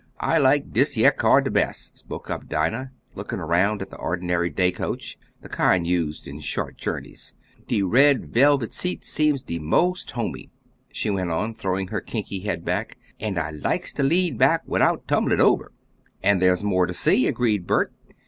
"I likes dis yere car de best," spoke up Dinah, looking around at the ordinary day coach, the kind used in short journeys. "De red velvet seats seems de most homey," she went on, throwing her kinky head back, "and I likes to lean back wit'out tumbling ober." "And there's more to see," agreed Bert.